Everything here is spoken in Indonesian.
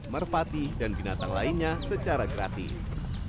merpati dan binatang lainnya secara gratis